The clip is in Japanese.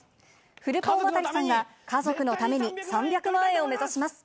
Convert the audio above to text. フルポン・亘さんが家族のために、３００万円を目指します。